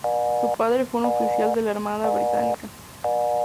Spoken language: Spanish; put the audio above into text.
Su padre fue un oficial de la Armada británica.